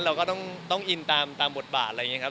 เราก็ต้องอินตามบทบาท